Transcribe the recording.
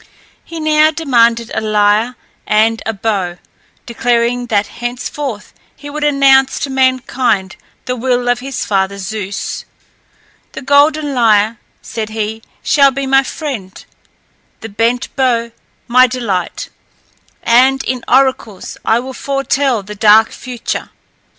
He now demanded a lyre and a bow, declaring that henceforth he would announce to mankind the will of his father Zeus. "The golden lyre," said he, "shall be my friend, the bent bow my delight, and in oracles will I foretell the dark future."